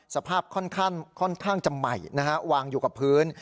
สภาพค่อนข้างจะใหม่นะฮะวางอยู่กับพื้น